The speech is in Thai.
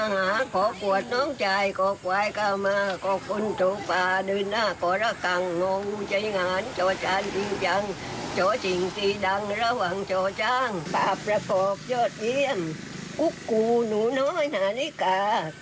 หัวใส่จานกวดใส่จานรางวัลรวงได้ดีดิก